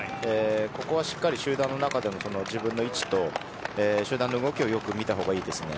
しっかり集団の中での自分の位置と集団の動きを見た方がいいです。